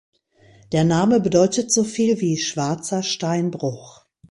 Der Name bedeutet so viel wie „schwarzer Steinbruch“.